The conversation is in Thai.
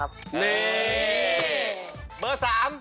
เบอร์๓